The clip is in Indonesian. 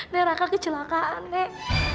nek raka kecelakaan nek